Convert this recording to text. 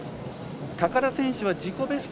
高田選手は自己ベスト